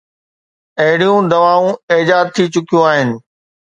اهڙيون دوائون ايجاد ٿي چڪيون آهن.